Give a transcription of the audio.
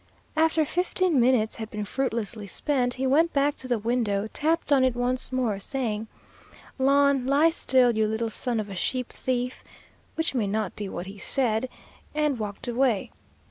After fifteen minutes had been fruitlessly spent, he went back to the window, tapped on it once more, saying, "Lon, lie still, you little son of a sheep thief," which may not be what he said, and walked away.